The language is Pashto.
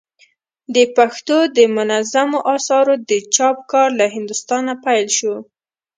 د پښتو دمنظومو آثارو د چاپ کار له هندوستانه پيل سو.